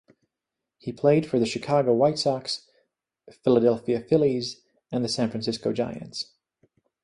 He played for the Chicago White Sox, Philadelphia Phillies and the San Francisco Giants.